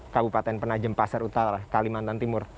kabupaten penajem pasar utara kalimantan timur